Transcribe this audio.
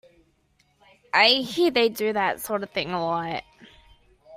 I hear they do that sort of thing a lot.